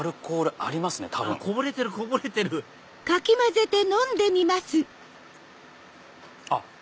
あこぼれてるこぼれてるあっ！